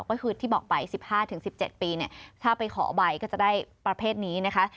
ก็คือที่บอกไป๑๕๑๗ปีเนี่ยถ้าไปขอใบก็จะได้ประเภทนี้นะคะ